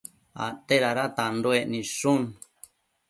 Acte dada tanduec nidshu